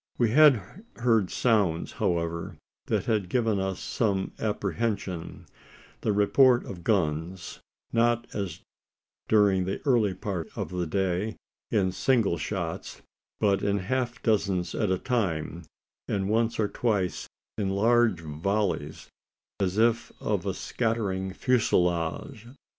We had heard sounds, however, that had given us some apprehension the reports of guns not as during the early part of the day, in single shots, but in half dozens at a time, and once or twice in large volleys as if of a scattering fusillade!